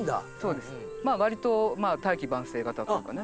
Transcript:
割とまあ大器晩成型というかね。